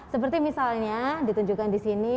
seperti misalnya ditunjukkan di sini